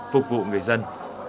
phục vụ người dân